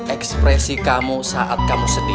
ekspresi kamu saat kamu sedih